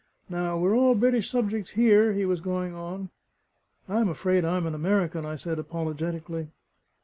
Now, we're all British subjects here " he was going on. "I am afraid I am an American," I said apologetically.